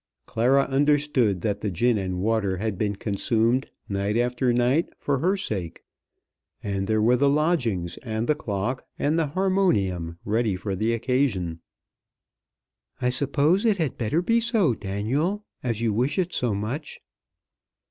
Clara understood that the gin and water had been consumed night after night for her sake. And there were the lodgings and the clock and the harmonium ready for the occasion. "I suppose it had better be so, Daniel, as you wish it so much."